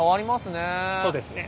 そうですね。